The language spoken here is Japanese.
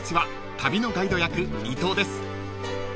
旅のガイド役伊藤です］